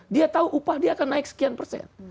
dia tahu upah dia akan naik sekian persen